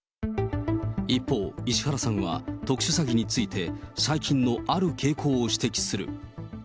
一方、石原さんは特殊詐欺について最近のある傾向を指摘する。